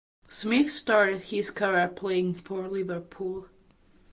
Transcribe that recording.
Smyth started his career playing for Liverpool.